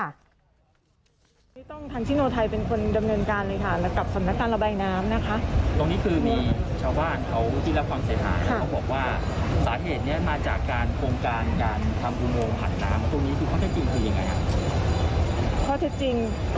ว่ามันไม่ใช่ว่าเจ้าเลี้ยงจักรสำนักการโยทัพ